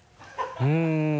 うん。